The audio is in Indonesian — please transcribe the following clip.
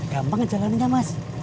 gampang ngejalaninnya mas